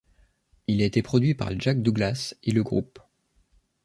Il a été produit par Jack Douglas et le groupe.